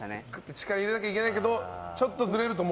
力入れなきゃいけないけどちょっとずれると。